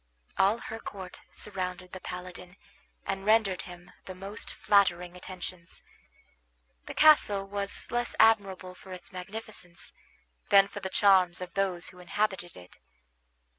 All her court surrounded the paladin, and rendered him the most flattering attentions. The castle was less admirable for its magnificence than for the charms of those who inhabited it.